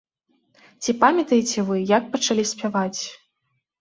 Ці памятаеце вы, як пачалі спяваць?